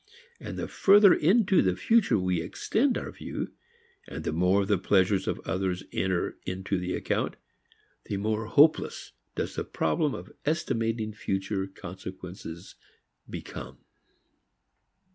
And the further into the future we extend our view, and the more the pleasures of others enter into the account, the more hopeless does the problem of estimating future consequences become.